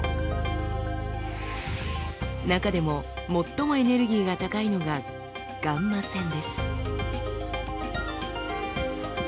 中でも最もエネルギーが高いのがガンマ線です。